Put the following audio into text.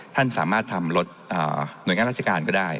ท่านสามารถทำรถหน่วยงานราชการก็ได้